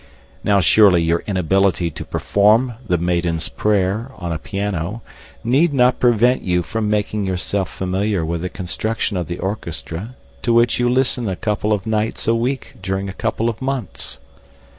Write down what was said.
Now surely your inability to perform "The Maiden's Prayer" on a piano need not prevent you from making yourself familiar with the construction of the orchestra to which you listen a couple of nights a week during a couple of months!